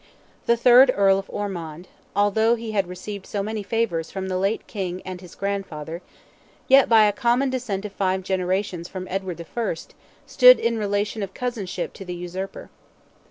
The third Earl of Ormond, although he had received so many favours from the late King and his grandfather, yet by a common descent of five generations from Edward I., stood in relation of cousinship to the Usurper.